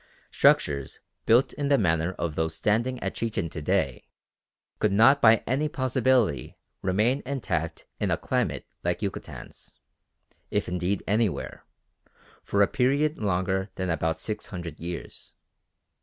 Structures built in the manner of those standing at Chichen to day could not by any possibility remain intact in a climate like Yucatan's, if indeed anywhere, for a period longer than about six hundred years.